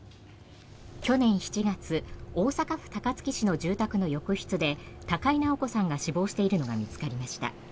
去年７月大阪府高槻市の住宅の浴室で高井直子さんが死亡しているのが見つかりました。